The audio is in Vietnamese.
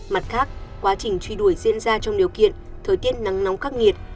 mặt khác quá trình truy đuổi diễn ra trong điều kiện thời tiết nắng nóng khắc nghiệt